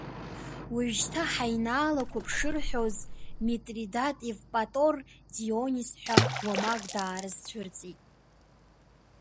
Уажәшьҭа ҳаинаалақәап шырҳәоз, Митридат Евпатор Дионис ҳәа уамак даарызцәырҵит.